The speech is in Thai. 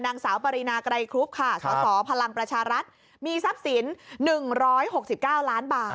นางสาวปรินาไกรครุบค่ะสสพลังประชารัฐมีทรัพย์สิน๑๖๙ล้านบาท